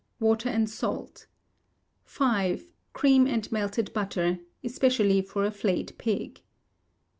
Water and salt. v. Cream and melted butter, especially for a flayed pig.